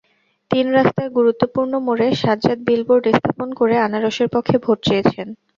তিন রাস্তার গুরুত্বপূর্ণ মোড়ে সাজ্জাদ বিলবোর্ড স্থাপন করে আনারসের পক্ষে ভোট চেয়েছেন।